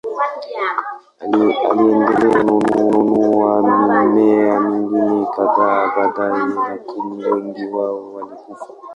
Aliendelea kununua mimea mingine kadhaa baadaye, lakini wengi wao walikufa.